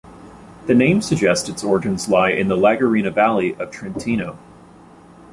The name suggests its origins lie in the Lagarina valley of Trentino.